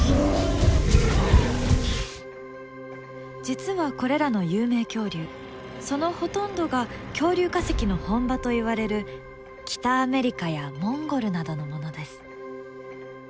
実はこれらの有名恐竜そのほとんどが恐竜化石の本場といわれる北アメリカやモンゴルなどのものです。